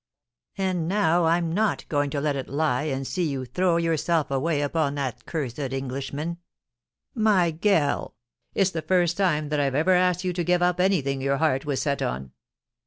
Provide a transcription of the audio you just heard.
And now I'm not going to let it lie, and see you throw yourself away upon that cursed Englishman. .., My gell ! it's the first time that I've ever asked you to gev up anything your heart was set oa